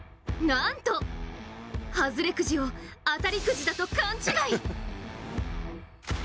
なんと、外れくじを当たりくじだと勘違い。